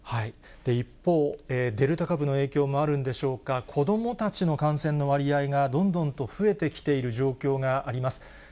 一方、デルタ株の影響もあるんでしょうか、子どもたちの感染の割合がどんどんと増えてきている状況があります。